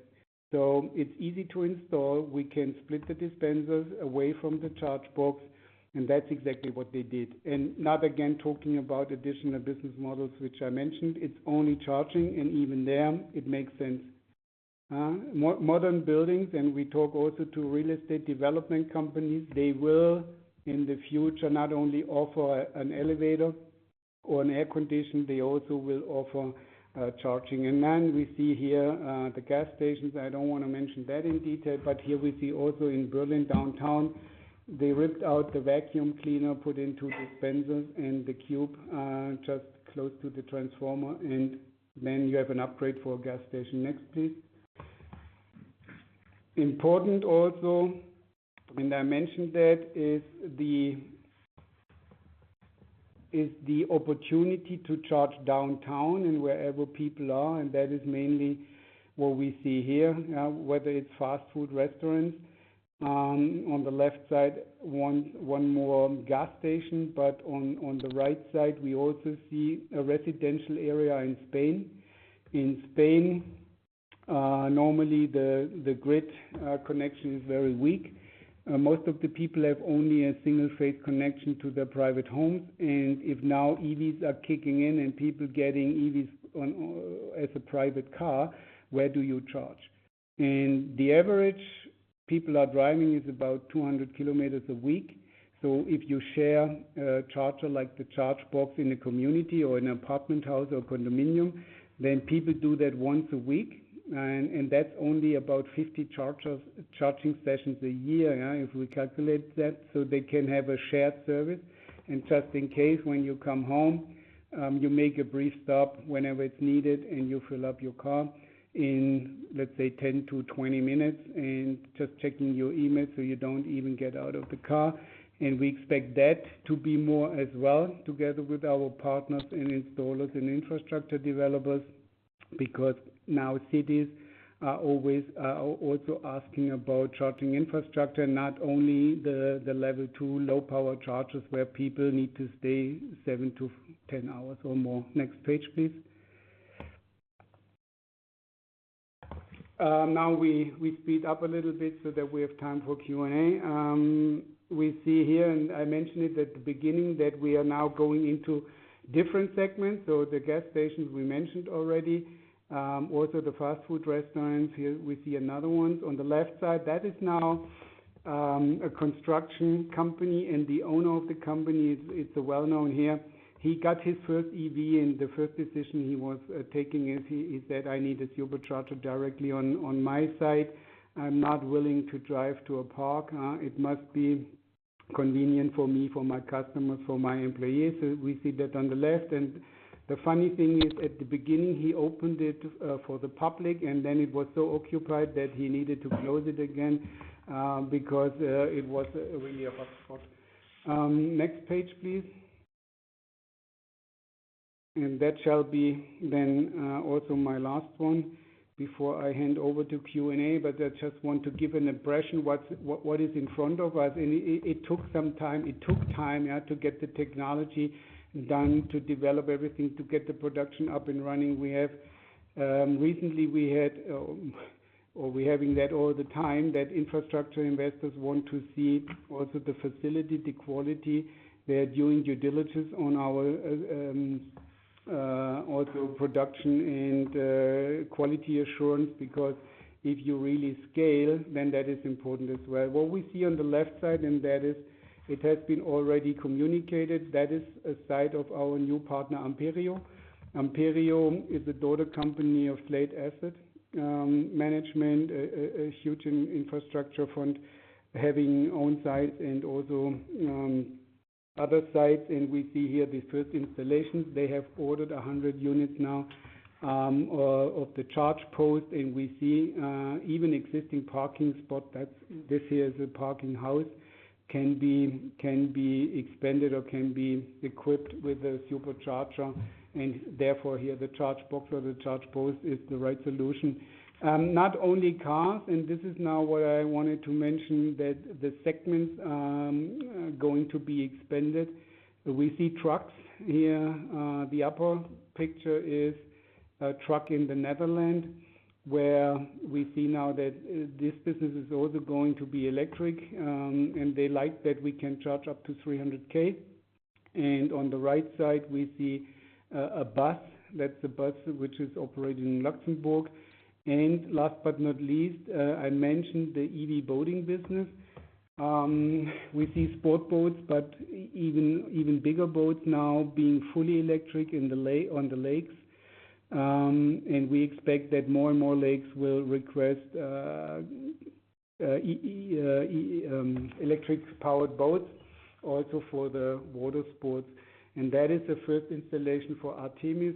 Speaker 2: It's easy to install. We can split the dispensers away from the ChargeBox, and that's exactly what they did. Not again talking about additional business models, which I mentioned, it's only charging, and even there, it makes sense. Modern buildings, and we talk also to real estate development companies, they will, in the future, not only offer an elevator or an air condition, they also will offer charging. We see here, the gas stations. I don't wanna mention that in detail, but here we see also in Berlin downtown, they ripped out the vacuum cleaner, put in two dispensers and the cube just close to the transformer. You have an upgrade for a gas station. Next, please. Important also, and I mentioned that, is the opportunity to charge downtown and wherever people are, and that is mainly what we see here, whether it's fast food restaurants. On the left side, one more gas station, but on the right side, we also see a residential area in Spain. In Spain, normally the grid connection is very weak. Most of the people have only a single-phase connection to their private homes. If now EVs are kicking in and people getting EVs as a private car, where do you charge? The average people are driving is about 200 km a week. If you share a charger like the ChargeBox in a community or an apartment house or condominium, then people do that once a week. That's only about 50 charging sessions a year, if we calculate that, so they can have a shared service. Just in case, when you come home, you make a brief stop whenever it's needed, and you fill up your car in, let's say, 10 to 20 minutes, and just checking your email, so you don't even get out of the car. We expect that to be more as well together with our partners and installers and infrastructure developers, because now cities are always also asking about charging infrastructure, not only the level 2 low-power chargers where people need to stay 7 to 10 hours or more. Next page, please. Now we speed up a little bit so that we have time for Q&A. We see here, and I mentioned it at the beginning, that we are now going into different segments. The gas stations we mentioned already, also the fast food restaurants. Here we see another one. On the left side, that is now a construction company. The owner of the company is well-known here. He got his first EV. The first decision he was taking is that I need a supercharger directly on my site. I'm not willing to drive to a park. It must be convenient for me, for my customers, for my employees. We see that on the left. The funny thing is, at the beginning, he opened it for the public, and then it was so occupied that he needed to close it again because it was really a hotspot. Next page, please. That shall be then also my last one before I hand over to Q&A, but I just want to give an impression what is in front of us. It took some time. It took time, yeah, to get the technology done, to develop everything, to get the production up and running. We have recently we had or we're having that all the time, that infrastructure investors want to see also the facility, the quality. They're doing due diligence on our also production and quality assurance, because if you really scale, then that is important as well. What we see on the left side, it has been already communicated, that is a site of our new partner, Amperio. Amperio is a daughter company of Slate Asset Management, a huge in-infrastructure fund having own sites and also other sites. We see here the first installations. They have ordered 100 units now of the ChargePost. We see even existing parking spot. This here is a parking house, can be expanded or can be equipped with a supercharger, and therefore here the ChargeBox or the ChargePost is the right solution. Not only cars, this is now what I wanted to mention, that the segments are going to be expanded. We see trucks here. The upper picture is a truck in the Netherlands, where we see now that this business is also going to be electric, and they like that we can charge up to 300 K. On the right side, we see a bus. That's a bus which is operating in Luxembourg. Last but not least, I mentioned the EV boating business. We see sport boats, but even bigger boats now being fully electric on the lakes. We expect that more and more lakes will request electric-powered boats also for the water sports. That is the first installation for Artemis.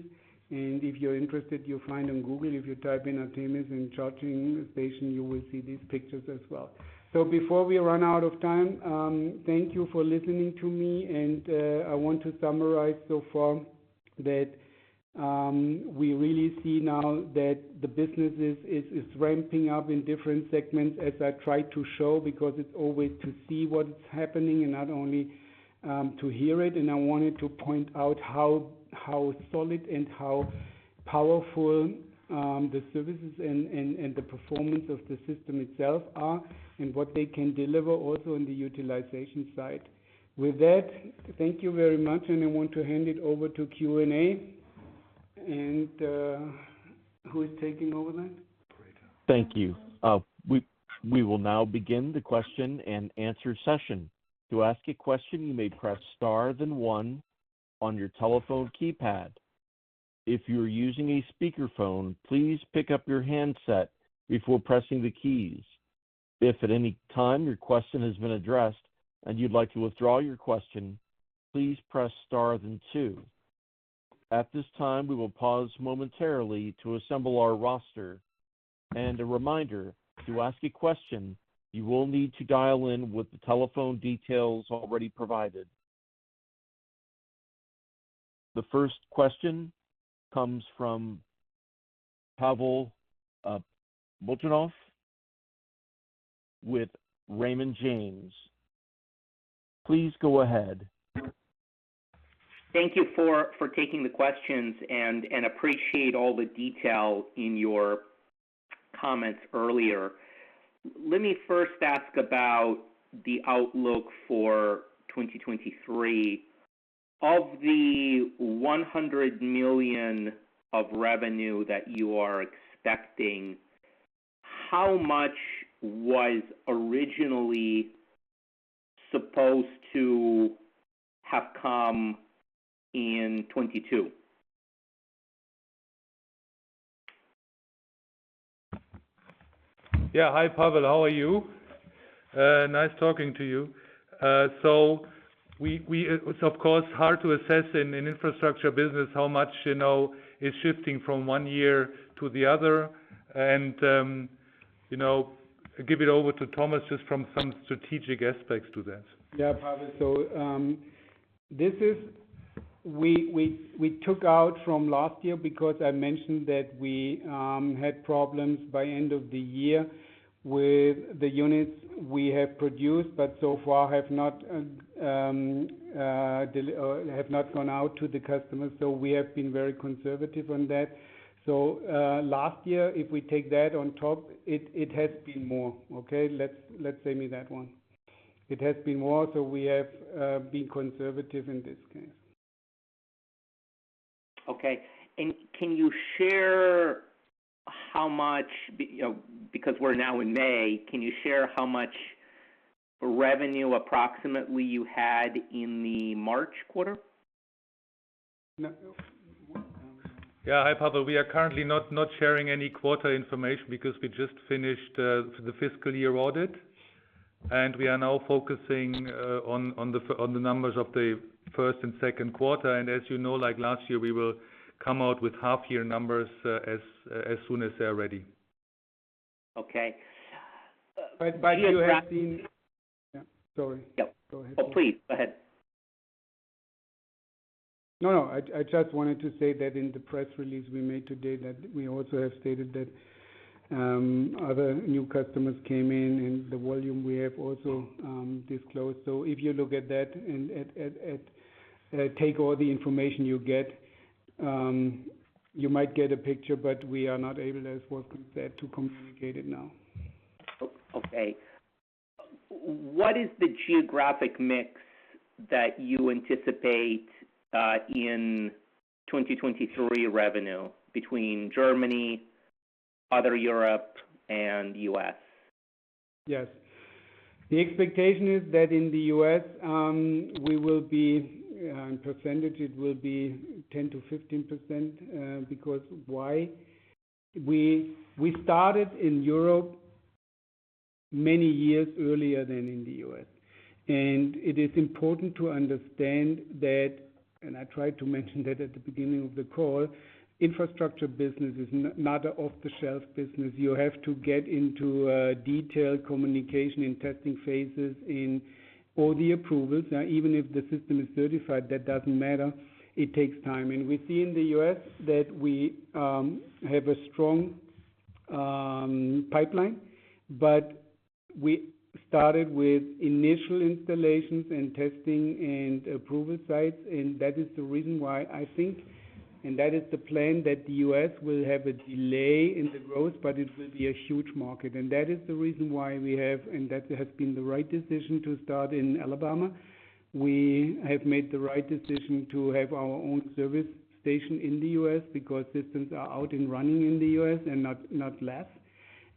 Speaker 2: If you're interested, you'll find on Google, if you type in Artemis and charging station, you will see these pictures as well. Before we run out of time, thank you for listening to me. I want to summarize so far that we really see now that the business is ramping up in different segments as I tried to show, because it's always to see what's happening and not only to hear it. I wanted to point out how solid and how powerful the services and the performance of the system itself are and what they can deliver also on the utilization side. With that, thank you very much, and I want to hand it over to Q&A. Who is taking over that?
Speaker 1: Thank you. We will now begin the question and answer session. To ask a question, you may press star then one on your telephone keypad. If you're using a speakerphone, please pick up your handset before pressing the keys. If at any time your question has been addressed and you'd like to withdraw your question, please press star then two. At this time, we will pause momentarily to assemble our roster. A reminder, to ask a question, you will need to dial in with the telephone details already provided. The first question comes from Pavel Molchanov with Raymond James. Please go ahead.
Speaker 5: Thank you for taking the questions and appreciate all the detail in your comments earlier. Let me first ask about the outlook for 2023. Of the 100 million of revenue that you are expecting, how much was originally supposed to have come in 2022?
Speaker 4: Yeah. Hi, Pavel. How are you? Nice talking to you. It's of course, hard to assess in an infrastructure business how much, you know, is shifting from one year to the other. You know, give it over to Thomas just from some strategic aspects to that.
Speaker 2: Pavel. We took out from last year because I mentioned that we had problems by end of the year with the units we have produced, but so far have not gone out to the customers, so we have been very conservative on that. Last year, if we take that on top, it has been more. Okay? Let's say me that one. It has been more, so we have been conservative in this case.
Speaker 5: Okay. Can you share how much, you know, because we're now in May, can you share how much revenue approximately you had in the March quarter?
Speaker 2: No. Yeah. Hi, Pavel. We are currently not sharing any quarter information because we just finished the fiscal year audit, and we are now focusing on the numbers of the first and second quarter. As you know, like last year, we will come out with half year numbers as soon as they're ready.
Speaker 5: Okay.
Speaker 2: you have seen-
Speaker 5: Geographic-
Speaker 2: Yeah. Sorry.
Speaker 5: Yep.
Speaker 2: Go ahead.
Speaker 5: Oh, please go ahead.
Speaker 2: No, no. I just wanted to say that in the press release we made today that we also have stated that other new customers came in and the volume we have also disclosed. If you look at that and take all the information you get, you might get a picture, but we are not able, as Wolfgang said, to communicate it now.
Speaker 5: Okay. What is the geographic mix that you anticipate in 2023 revenue between Germany, other Europe, and US?
Speaker 2: Yes. The expectation is that in the US, we will be in percentage, it will be 10%-15%. Because why? We started in Europe many years earlier than in the US. It is important to understand that, and I tried to mention that at the beginning of the call, infrastructure business is not a off-the-shelf business. You have to get into detailed communication in testing phases in all the approvals. Now even if the system is certified, that doesn't matter. It takes time. We see in the US that we have a strong pipeline, but we started with initial installations and testing and approval sites, and that is the reason why I think, and that is the plan that the US will have a delay in the growth, but it will be a huge market. That is the reason why we have, and that has been the right decision to start in Alabama. We have made the right decision to have our own service station in the US because systems are out and running in the US and not less.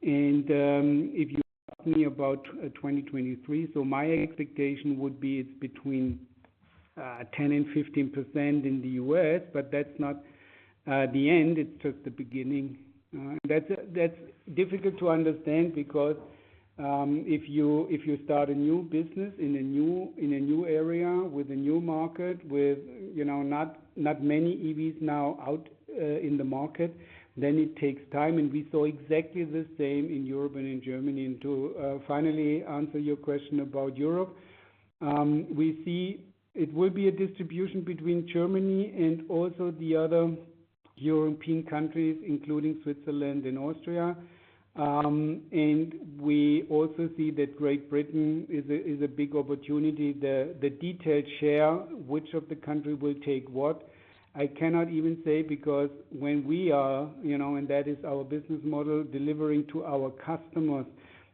Speaker 2: If you ask me about 2023, so my expectation would be it's between 10% and 15% in the US, but that's not the end, it's just the beginning. That's difficult to understand because if you start a new business in a new, in a new area with a new market, with, you know, not many EVs now out in the market, then it takes time. We saw exactly the same in Europe and in Germany. To finally answer your question about Europe, we see it will be a distribution between Germany and also the other European countries, including Switzerland and Austria. We also see that Great Britain is a big opportunity. The detailed share, which of the country will take what, I cannot even say because when we are, you know, and that is our business model, delivering to our customers,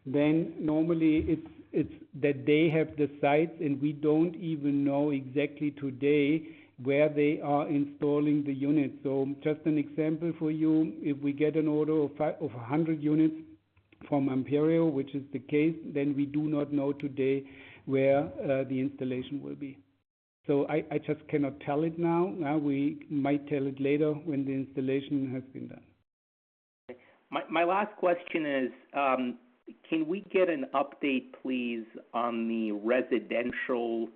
Speaker 2: then normally it's that they have the sites and we don't even know exactly today where they are installing the units. Just an example for you, if we get an order of 100 units from Imperial, which is the case, then we do not know today where the installation will be. I just cannot tell it now. We might tell it later when the installation has been done.
Speaker 5: My last question is, can we get an update, please, on the residential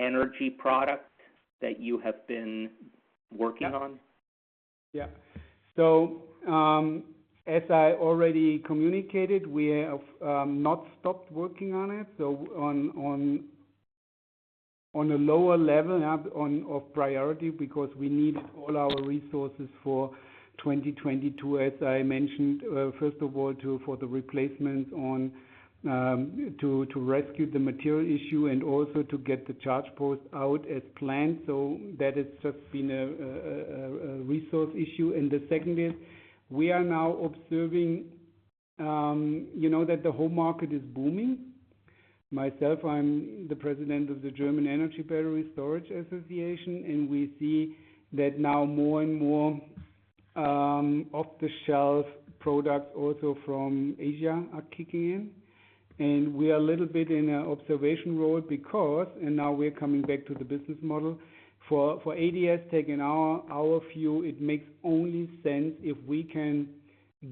Speaker 5: energy product that you have been working on?
Speaker 2: As I already communicated, we have not stopped working on it. On a lower level of priority because we need all our resources for 2022, as I mentioned, first of all for the replacement to rescue the material issue and also to get the ChargePost out as planned. That has just been a resource issue. The second is we are now observing, you know, that the whole market is booming. Myself, I'm the president of the German Energy Storage Association, we see that now more and more off-the-shelf products also from Asia are kicking in. We are a little bit in a observation role because now we're coming back to the business model. For ADS-TEC and our view, it makes only sense if we can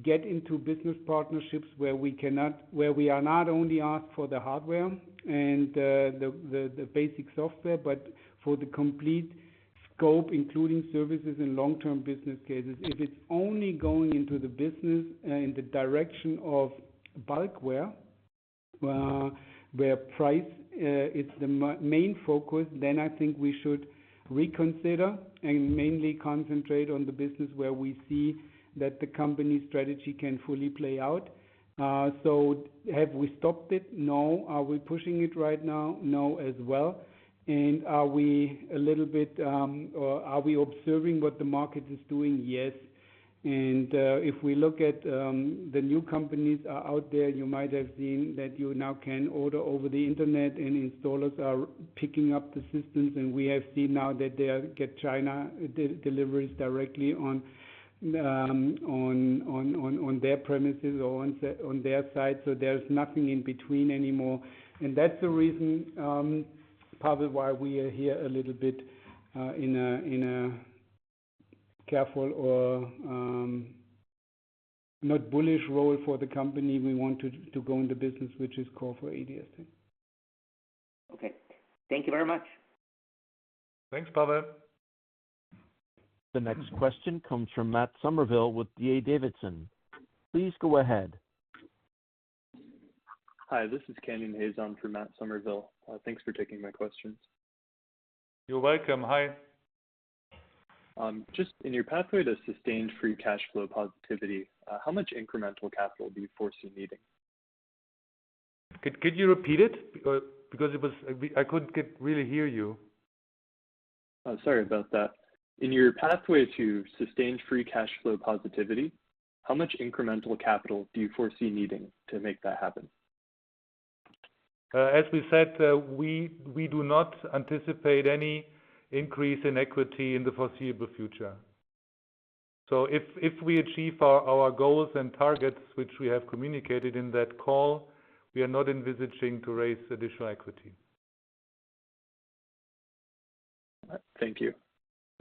Speaker 2: get into business partnerships where we are not only asked for the hardware and the basic software, but for the complete scope, including services and long-term business cases. If it's only going into the business in the direction of bulkware, where price is the main focus, then I think we should reconsider and mainly concentrate on the business where we see that the company strategy can fully play out. Have we stopped it? No. Are we pushing it right now? No as well. Are we a little bit, or are we observing what the market is doing? Yes. If we look at the new companies are out there, you might have seen that you now can order over the internet, and installers are picking up the systems. We have seen now that they are get China de-deliveries directly on their premises or on their site, so there's nothing in between anymore. That's the reason, Pavel, why we are here a little bit in a careful or not bullish role for the company. We want to go into business, which is core for ADS-TEC.
Speaker 5: Okay. Thank you very much.
Speaker 4: Thanks, Pavel.
Speaker 1: The next question comes from Matt Summerville with D.A. Davidson. Please go ahead.
Speaker 3: Hi, this is Canyon Hayes for Matt Summerville. Thanks for taking my questions.
Speaker 4: You're welcome. Hi.
Speaker 3: Just in your pathway to sustained free cash flow positivity, how much incremental capital do you foresee needing?
Speaker 4: Could you repeat it? Because it was, I couldn't get really hear you.
Speaker 3: Sorry about that. In your pathway to sustained free cash flow positivity, how much incremental capital do you foresee needing to make that happen?
Speaker 4: As we said, we do not anticipate any increase in equity in the foreseeable future. If we achieve our goals and targets, which we have communicated in that call, we are not envisaging to raise additional equity.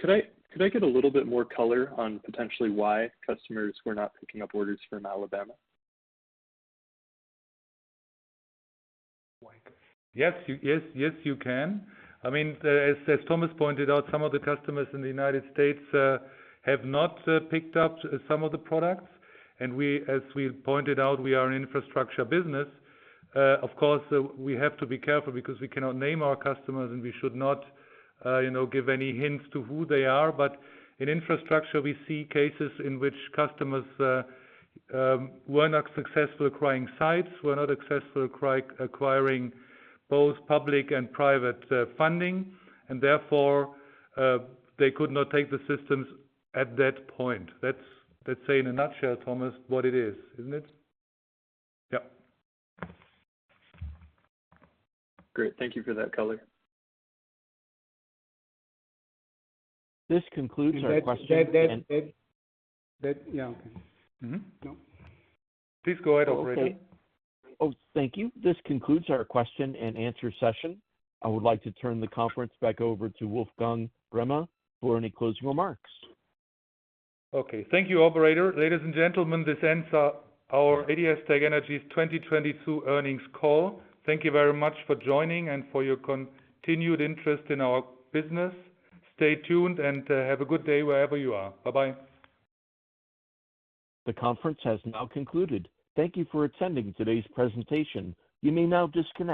Speaker 3: Thank you. Could I get a little bit more color on potentially why customers were not picking up orders from Alabama?
Speaker 4: Yes. Yes, yes, you can. I mean, as Thomas pointed out, some of the customers in the United States have not picked up some of the products. We, as we pointed out, we are an infrastructure business. Of course, we have to be careful because we cannot name our customers, and we should not, you know, give any hints to who they are. In infrastructure, we see cases in which customers were not successful acquiring sites, were not successful acquiring both public and private funding, and therefore, they could not take the systems at that point. That's, say in a nutshell, Thomas, what it is, isn't it?
Speaker 2: Yeah.
Speaker 3: Great. Thank you for that color.
Speaker 1: This concludes our question-.
Speaker 4: That, yeah.
Speaker 5: Mm-hmm.
Speaker 4: No. Please go ahead, operator.
Speaker 1: Oh, thank you. This concludes our question and answer session. I would like to turn the conference back over to Wolfgang Breme for any closing remarks.
Speaker 4: Okay. Thank you, operator. Ladies and gentlemen, this ends our ADS-TEC Energy's 2022 earnings call. Thank you very much for joining and for your continued interest in our business. Stay tuned and have a good day wherever you are. Bye-bye.
Speaker 1: The conference has now concluded. Thank you for attending today's presentation. You may now disconnect.